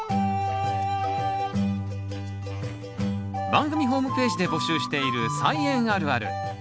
番組ホームページで募集している「菜園あるある」。